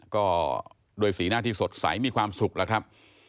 ก็ด้วยสีหน้าที่สดใสมีความสุขแล้วครับ